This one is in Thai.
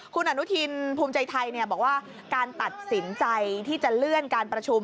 คุณอนุทินภูมิใจไทยบอกว่าการตัดสินใจที่จะเลื่อนการประชุม